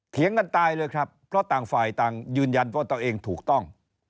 กันตายเลยครับเพราะต่างฝ่ายต่างยืนยันว่าตัวเองถูกต้อง